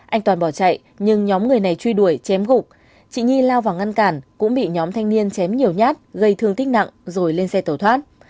anh toàn bỏ chạy nhưng nhóm người này truy đuổi chém gục chị nhi lao vào ngăn cản cũng bị nhóm thanh niên chém nhiều nhát gây thương tích nặng rồi lên xe tẩu thoát